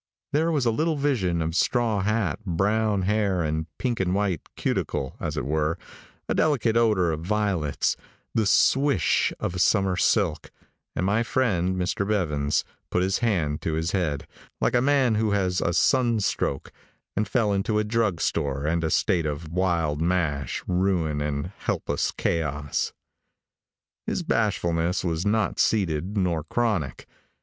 There was a little vision of straw hat, brown hair, and pink and white cuticle, as it were, a delicate odor of violets, the "swish" of a summer silk, and my friend, Mr. Bevans, put his hand to his head, like a man who has a sun stroke, and fell into a drug store and a state of wild mash, ruin and helpless chaos. His bashfulness was not seated nor chronic.